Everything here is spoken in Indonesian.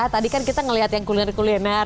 tadi kan kita melihat yang kuliner kuliner